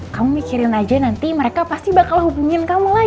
kamu mikirin aja nanti mereka pasti bakal hubungin kamu lagi